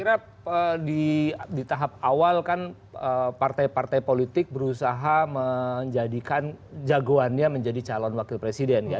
saya kira di tahap awal kan partai partai politik berusaha menjadikan jagoannya menjadi calon wakil presiden